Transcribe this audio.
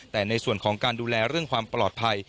แต่ในส่วนของการดูแลเรื่องความปลอดภัย